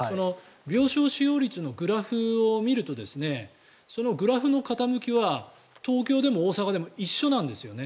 病床使用率のグラフを見るとグラフの傾きは東京でも大阪でも一緒なんです。